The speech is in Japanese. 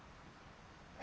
え？